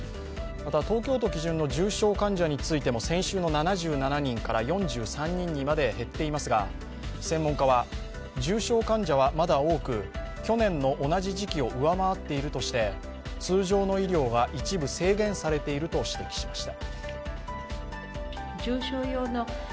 また、東京都基準の重症患者についても先週の７７人から４３人にまで減っていますが、専門家は、重症患者はまだ多く去年の同じ時期を上回っているとして通常の医療が一部制限されていると指摘しました。